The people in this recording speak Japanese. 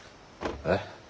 えっ？